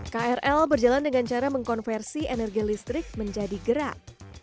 krl berjalan dengan cara mengkonversi energi listrik menjadi gerak